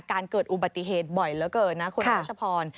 เกิดอุบัติเหตุบ่อยเหลือเกินนะคุณรัชพร